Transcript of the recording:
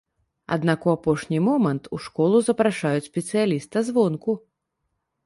Аднак у апошні момант у школу запрашаюць спецыяліста звонку.